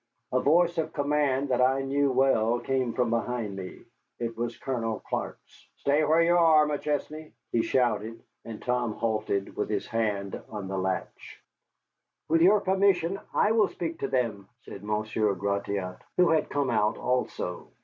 A voice of command that I knew well came from behind me. It was Colonel Clark's. "Stay where you are, McChesney!" he shouted, and Tom halted with his hand on the latch. "With your permission, I will speak to them," said Monsieur Gratiot, who had come out also.